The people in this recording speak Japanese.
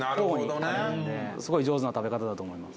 すごい上手な食べ方だと思います。